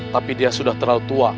tapi dia sudah terlalu tua